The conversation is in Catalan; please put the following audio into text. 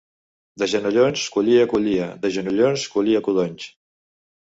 De genollons, collia, collia. De genollons, collia, codonys.